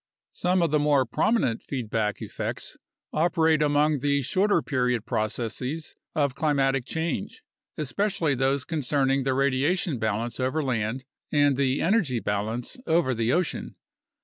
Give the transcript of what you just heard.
Some of the more prominent feedback effects operate among the shorter period processes of climatic change, especially those concerning the radiation balance over land and the energy balance over the ocean.